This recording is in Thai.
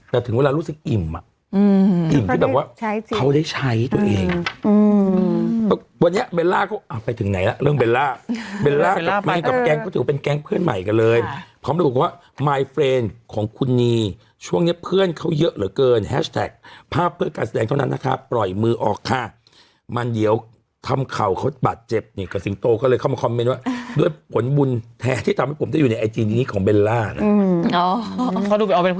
แต่ถึงเวลารู้สึกอิ่มอ่ะอืมอืมอืมอืมอืมอืมอืมอืมอืมอืมอืมอืมอืมอืมอืมอืมอืมอืมอืมอืมอืมอืมอืมอืมอืมอืมอืมอืมอืมอืมอืมอืมอืมอืมอืมอืมอืมอืมอืมอืมอืมอืมอืมอืมอืมอืมอืมอืมอืมอืมอื